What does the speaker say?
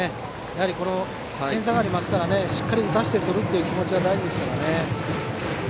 やはり点差がありますからしっかり打たせてとるという気持ちは大事ですからね。